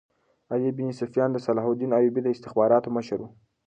علي بن سفیان د صلاح الدین ایوبي د استخباراتو مشر وو